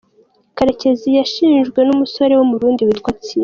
Karekezi yashinjwe n’umusore w’umurundi witwa Thierry